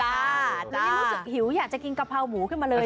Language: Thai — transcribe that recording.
แล้วนี่รู้สึกหิวอยากจะกินกะเพราหมูขึ้นมาเลย